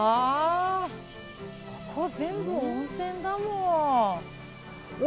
ここ全部温泉だ、もう。